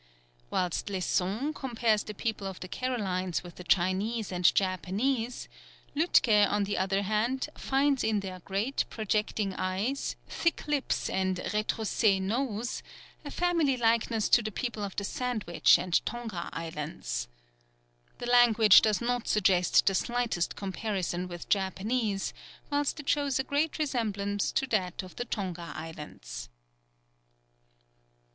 Whilst Lesson compares the people of the Carolines with the Chinese and Japanese, Lütke, on the other hand, finds in their great, projecting eyes, thick lips, and retroussé nose, a family likeness to the people of the Sandwich and Tonga Islands. The language does not suggest the slightest comparison with Japanese, whilst it shows a great resemblance to that of the Tonga Islands.